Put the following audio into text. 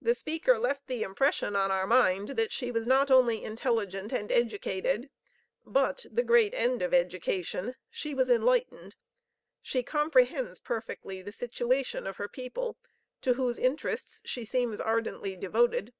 The speaker left the impression on our mind that she was not only intelligent and educated, but the great end of education she was enlightened. She comprehends perfectly the situation of her people, to whose interests she seems ardently devoted.